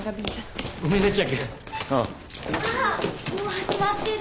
もう始まってる。